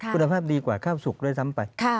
คุณภาพดีกว่าข้าวสุกด้วยซ้ำไป